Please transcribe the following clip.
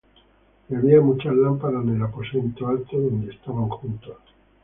Y había muchas lámparas en el aposento alto donde estaban juntos.